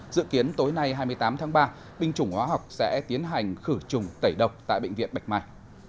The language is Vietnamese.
dự kiến tối nay hai mươi tám tháng ba binh chủng hóa học sẽ tiến hành khử trùng tẩy độc tại bệnh viện bạch mai